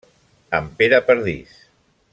En Pere Perdis.